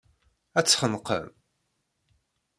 Ad tt-xenqen.